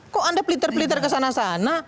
kok anda peliter pliter ke sana sana